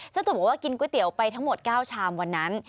เจ้าตัวบอกว่ากินก๋วยเตี๋ยวไปทั้งหมด๙ชามวันนั้น